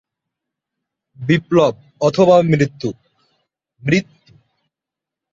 তিনি গাণিতিক সূত্র দেওয়ার পর পরীক্ষা করে সেই সূত্রটি প্রমাণ করার বৈজ্ঞানিক ধারার সূচনা করেন।